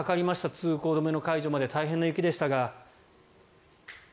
通行止めの解除まで大変な雪でしたが。